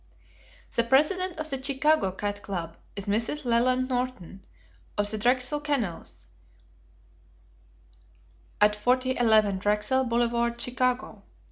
The president of the Chicago Cat Club is Mrs. Leland Norton, of the Drexel Kennels, at 4011 Drexel Boulevard, Chicago.